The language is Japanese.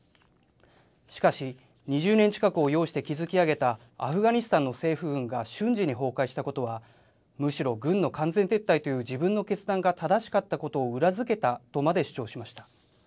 しかし、２０年近くを要して築き上げたアフガニスタンの政府軍が瞬時に崩壊したことは、むしろ軍の完全撤退という自分の決断が正しかったことを裏付けたとまで主張しました。